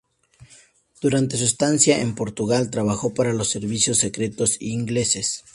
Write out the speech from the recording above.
Durante su estancia en Portugal, trabajó para los servicios secretos ingleses.